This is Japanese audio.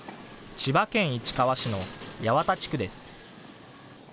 千葉県市川市の八幡地区です。